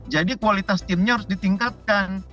jadi kualitas timnya harus ditingkatkan